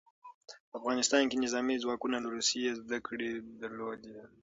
په افغانستان کې نظامي ځواکونه له روسیې زدکړې درلودې.